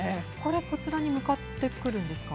こちらに向かってくるんですか？